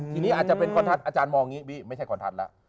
ทีนี้อาจจะเป็นคอนทัศน์อาจารย์มองอย่างนี้พี่ไม่ใช่คอนทัศน์แล้ว